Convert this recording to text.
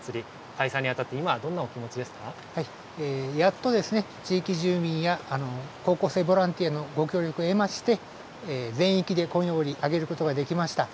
開催に当たって今、どんなお気持やっとですね、地域住民や高校生ボランティアのご協力を得まして、全域でこいのぼり揚げることができました。